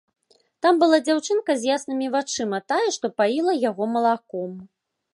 Там была дзяўчынка з яснымі вачыма, тая, што паіла яго малаком.